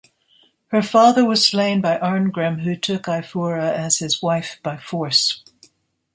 Her father was slain by Arngrim who took Eyfura as his wife by force.